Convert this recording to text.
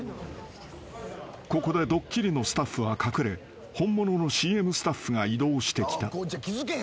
［ここで『ドッキリ』のスタッフは隠れ本物のＣＭスタッフが移動してきた］